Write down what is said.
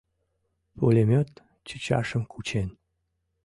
Пулемёт чӱчашым кучен